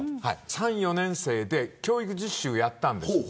３、４年生で教育実習をやったんです。